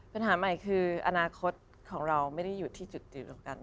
ปัญหาใหม่คืออนาคตของเราไม่ได้อยู่ที่จุดยืนตรงกัน